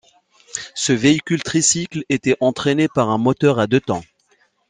Ce véhicule tricycle était entraîné par un moteur à deux temps.